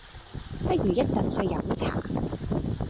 不如一陣去飲茶